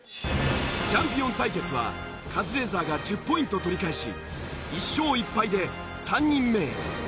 チャンピオン対決はカズレーザーが１０ポイント取り返し１勝１敗で３人目へ。